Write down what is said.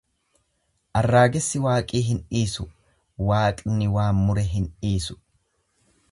Arraagessi waaqii hin dhiisu, Waaqni waan mure hin dhiisu.